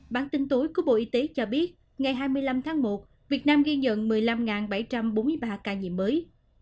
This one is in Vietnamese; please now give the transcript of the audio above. bản tin tối của bộ y tế cho biết ngày hai mươi năm tháng một việt nam ghi nhận một mươi năm bảy trăm bốn mươi ba ca nhiễm mới